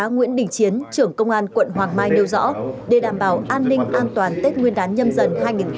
nguyễn đình chiến trưởng công an quận hoàng mai nêu rõ để đảm bảo an ninh an toàn tết nguyên đán nhâm dần hai nghìn hai mươi bốn